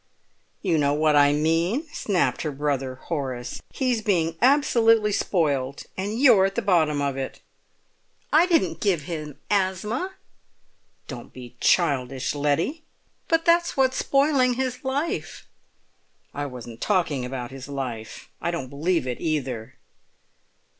"You know what I mean," snapped her brother Horace. "He's being absolutely spoilt, and you're at the bottom of it." "I didn't give him asthma!" "Don't be childish, Letty." "But that's what's spoiling his life." "I wasn't talking about his life. I don't believe it, either."